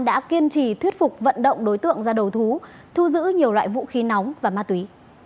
đã kiên trì thuyết phục vận động đối tượng ra đầu thú thu giữ nhiều loại vũ khí nóng và ma túy